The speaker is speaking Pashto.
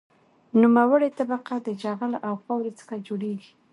نوموړې طبقه د جغل او خاورې څخه جوړیږي